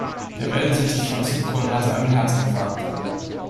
Der Wellensittich von Sigrun hatte einen Herzinfarkt.